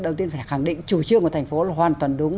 đầu tiên phải khẳng định chủ trương của thành phố là hoàn toàn đúng